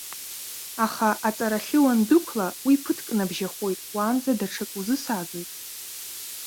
Аха, аҵарахьы уандәықәла, уи ԥыҭк набжьахоит, уанӡа даҽак узысааӡоит.